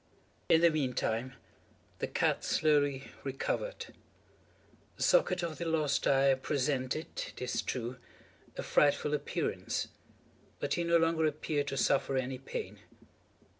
In the meantime the cat slowly recovered. The socket of the lost eye presented, it is true, a frightful appearance, but he no longer appeared to suffer any pain.